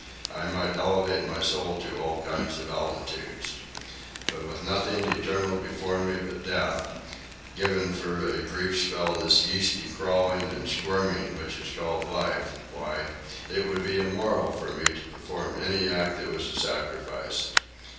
I might elevate my soul to all kinds of altitudes. But with nothing eternal before me but death, given for a brief spell this yeasty crawling and squirming which is called life, why, it would be immoral for me to perform any act that was a sacrifice.